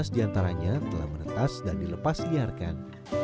dua ratus lima belas diantaranya telah meretas dan dilepas liarkan